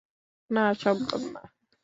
না, সম্ভব না!